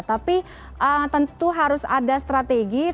tapi tentu harus ada strategi